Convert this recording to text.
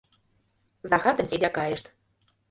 Захар ден Федя кайышт.